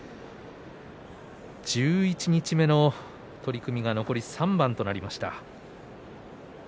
十一日目の取組が残り３番となりました。